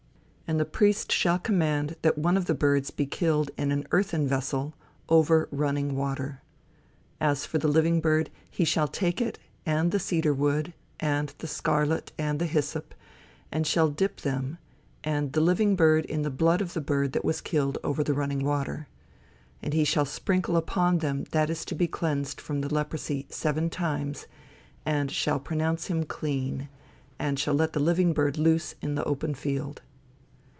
And the priest shall command that one of the birds be killed in an earthen vessel, over running water. As for the living bird, he shall take it, and the cedar wood, and the scarlet, and the hyssop, and shall dip them, and the living bird, in the blood of the bird that was killed over the running water. And he shall sprinkle upon him that is to be cleansed from the leprosy, seven times, and shall pronounce him clean, and shall let the living bird loose into the open field."